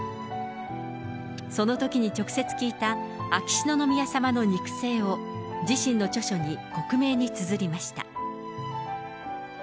そのときに直接聞いた秋篠宮さまの肉声を、自身の著書に克明につづりました。